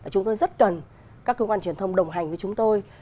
chúng tôi rất cần các cơ quan truyền thông đồng hành với chúng tôi